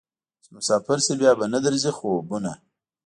چې مسافر شې بیا به نه درځي خوبونه